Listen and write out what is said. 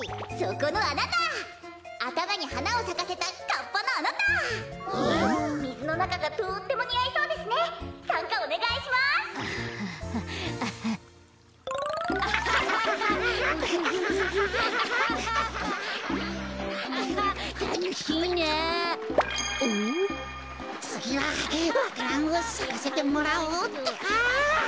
こころのこえつぎはわか蘭をさかせてもらおうってか！